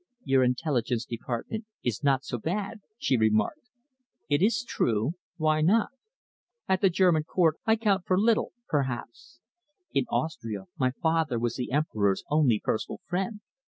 "Your Intelligence Department is not so bad," she remarked. "It is true. Why not? At the German Court I count for little, perhaps. In Austria my father was the Emperor's only personal friend.